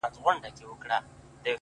• ويل درې مياشتي چي كړې مي نشه ده,